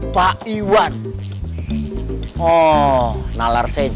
pak iwan yang berbuat semua ini